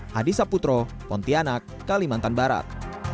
hadisaputro pontianak kalimantan barat